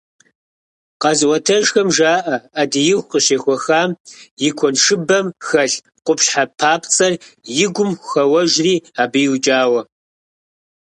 Къэзыӏуэтэжхэм жаӏэ, ӏэдииху къыщехуэхам и куэншыбэм хэлъ къупщхьэ папцӏэр и гум хэуэжри, абы иукӏауэ.